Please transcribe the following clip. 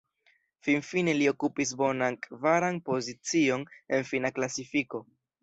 Finfine li okupis bonan, kvaran pozicion en fina klasifiko.